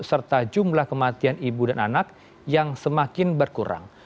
serta jumlah kematian ibu dan anak yang semakin berkurang